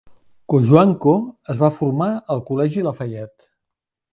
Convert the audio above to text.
Cojuangco es va formar al Col·legi Lafayette.